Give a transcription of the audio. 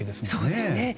そうですね。